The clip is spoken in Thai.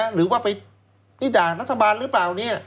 หรือว่าไปด่านัฐบาลหรือเปล่า